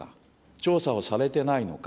調査をされてないのか。